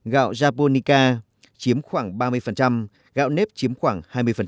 gạo japonica chiếm khoảng ba mươi gạo nếp chiếm khoảng hai mươi